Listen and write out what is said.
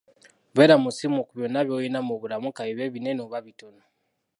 Beera musiimu ku byonna by'olina mu bulamu kabibe binene oba bitono.